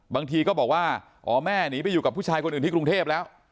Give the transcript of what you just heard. บางทีก็บอกว่าอ๋อแม่หนีไปอยู่กับผู้ชายคนอื่นที่กรุงเทพแล้ว